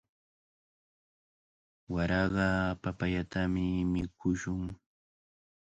Waraqa papayatami mikushun.